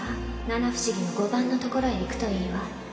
七不思議の五番のところへ行くといいわ